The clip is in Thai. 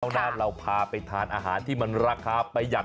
หน้าเราพาไปทานอาหารที่มันราคาประหยัด